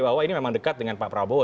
bahwa ini memang dekat dengan pak prabowo